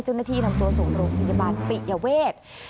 เจ้าหน้าที่นำตัวส่งโรงพยาบาลปิยเวท